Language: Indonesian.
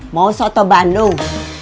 mau soto bandung